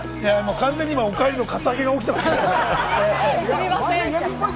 完全に今、お帰りのカツアゲが起きましたね。